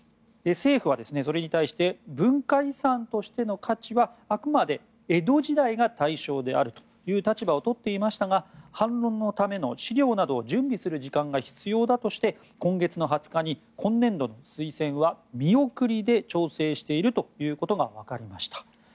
政府は、それに対して文化遺産としての価値はあくまで江戸時代が対象であるという立場をとっていましたが反論のための資料などを準備する時間が必要だとして今月の２０日に、今年度の推薦は見送りで調整しているということが分かりました。